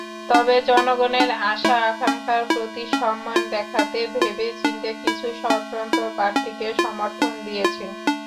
তবে জনগণের আশা-আকাঙ্ক্ষার প্রতি সম্মান দেখাতে ভেবেচিন্তে কিছু স্বতন্ত্র প্রার্থীকে সমর্থন দিয়েছে।